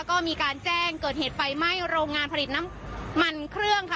ก็มีการแจ้งเกิดเหตุไฟไหม้โรงงานผลิตน้ำมันเครื่องค่ะ